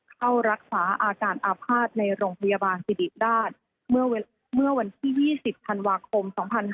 เข้ารักษาอาการอาภาษณ์ในโรงพยาบาลสิริราชเมื่อวันที่๒๐ธันวาคม๒๕๕๙